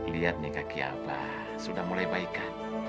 lihat nih kaki abah sudah mulai baikan